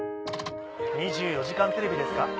『２４時間テレビ』ですか？